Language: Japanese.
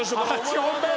８本目！